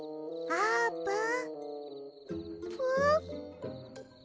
あーぷん！